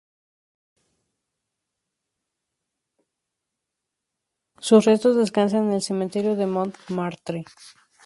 Sus restos descansan en el cementerio de Montmartre.